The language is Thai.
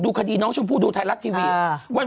คดีน้องชมพู่ดูไทยรัฐทีวี